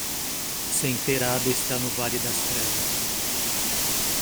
Senterada está no Vale das Trevas.